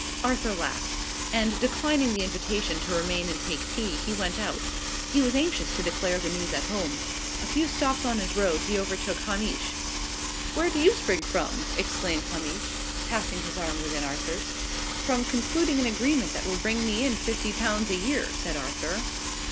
Arthur laughed; and, declining the invitation to remain and take tea, he went out. He was anxious to declare the news at home. A few steps on his road, he overtook Hamish. "Where do you spring from?" exclaimed Hamish, passing his arm within Arthur's. "From concluding an agreement that will bring me in fifty pounds a year," said Arthur.